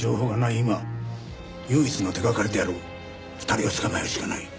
今唯一の手がかりである２人を捕まえるしかない。